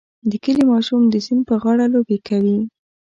د کلي ماشوم د سیند په غاړه لوبې کوي.